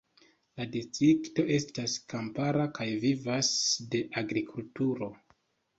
La distrikto estas kampara kaj vivas de agrikulturo.